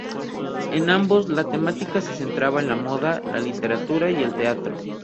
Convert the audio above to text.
En ambos, la temática se centraba en la moda, la literatura y el teatro.